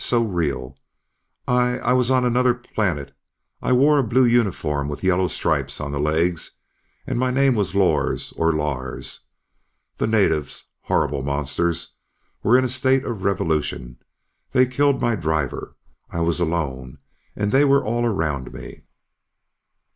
"So real. I ... I was on another planet ... I wore a blue uniform with yellow stripes on the legs and my name was Lors, or Lars. The natives, horrible monsters, were in a state of revolution ... they killed my driver. I was alone and they were all around me..."